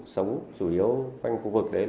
sống chủ yếu quanh khu vực để tìm hiểu